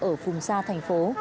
ở phùng xa thành phố